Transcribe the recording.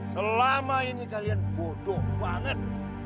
selama ini kalian bodoh banget